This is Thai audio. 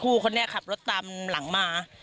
คนนี้ขับรถตามหลังมา